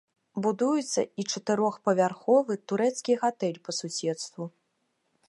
Будуецца і чатырохпавярховы турэцкі гатэль па суседству.